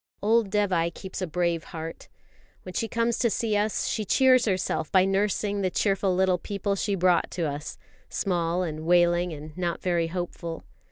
Old Dévai keeps a brave heart. When she comes to see us, she cheers herself by nursing the cheerful little people she brought to us, small and wailing and not very hopeful.